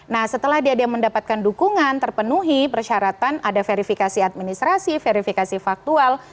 nah setelah dia mendapatkan dukungan terpenuhi persyaratan ada verifikasi administrasi verifikasi faktual